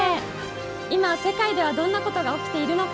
今、世界ではどんなことが起きているのか。